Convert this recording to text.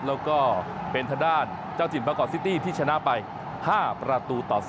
แล้วก็เป็นทางด้านเจ้าถิ่นมากอกซิตี้ที่ชนะไป๕ประตูต่อ๒